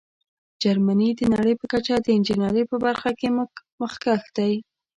جرمني د نړۍ په کچه د انجینیرۍ په برخه کې مخکښ دی.